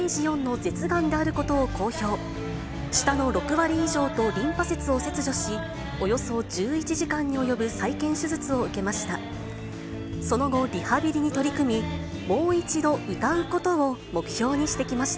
舌の６割以上とリンパ節を切除し、およそ１１時間に及ぶ再建手術を受けました。